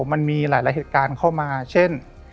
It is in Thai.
มันมีหลายเหตุการณ์เข้ามาเช่น